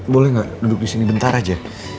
boleh gak duduk disini bentar aja